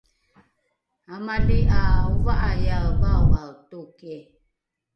amali ’a ova’aiae vao’ae toki